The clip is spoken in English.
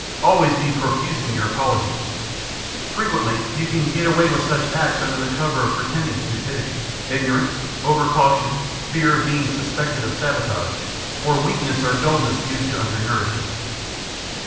Always be profuse in your apologies. Frequently you can "get away" with such acts under the cover of pretending stupidity, ignorance, over caution, fear of being suspected of sabotage, or weakness and dullness due to undernourishment.